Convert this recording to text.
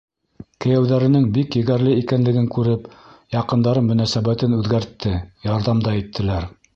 Кейәүҙәренең бик егәрле икәнлеген күреп, яҡындарым мөнәсәбәтен үҙгәртте, ярҙам да иттеләр.